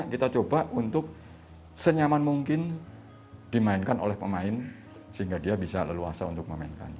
kita coba untuk senyaman mungkin dimainkan oleh pemain sehingga dia bisa leluasa untuk memainkan